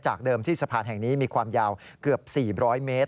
เดิมที่สะพานแห่งนี้มีความยาวเกือบ๔๐๐เมตร